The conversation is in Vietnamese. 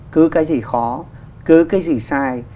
cứ cái gì khó cứ cái gì sai